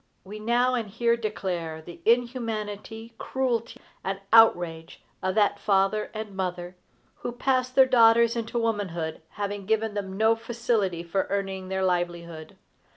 We now and here declare the inhumanity, cruelty, and outrage of that father and mother, who pass their daughters into womanhood, having given them no facility for earning their livelihood.